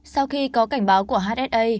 sau khi có cảnh báo của hsa